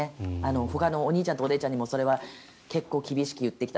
ほかのお兄ちゃんとお姉ちゃんにも結構厳しく言ってきた。